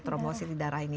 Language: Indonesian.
trombosi di darah ini